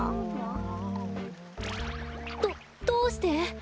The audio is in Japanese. どどうして！？